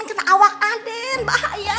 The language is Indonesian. kena awak aden bahaya